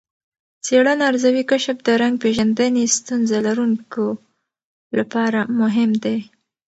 څېړنه ارزوي، کشف د رنګ پېژندنې ستونزه لرونکو لپاره مهم دی.